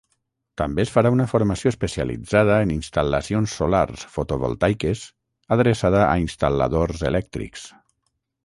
També es farà una formació especialitzada en instal·lacions solars fotovoltaiques adreçada a instal·ladors elèctrics.